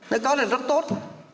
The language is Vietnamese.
nó có thể rất tốt